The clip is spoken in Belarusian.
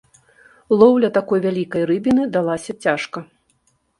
Лоўля такой вялікай рыбіны далася цяжка.